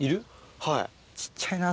はい。